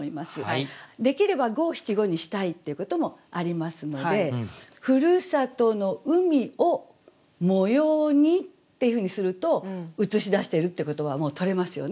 できれば五七五にしたいっていうこともありますので「ふるさとの海を模様に」っていうふうにするとうつしだしているっていう言葉はもう取れますよね。